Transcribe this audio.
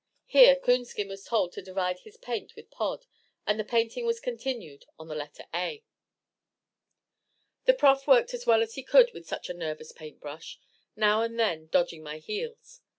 Here Coonskin was told to divide his paint with Pod, and the painting was continued on the letter A. The Prof worked as well as he could with such a nervous paint brush, now and then dodging my heels.